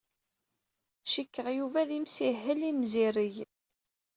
Cikkeɣ Yuba d imsihel imzireg.